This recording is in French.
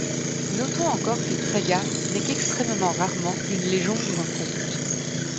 Notons encore qu'une saga n'est qu'extrêmement rarement une légende ou un conte.